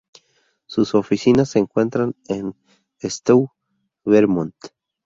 Sus oficinas se encuentran en Stowe, Vermont.